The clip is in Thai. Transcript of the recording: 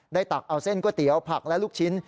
ตักเอาเส้นก๋วยเตี๋ยวผักและลูกชิ้น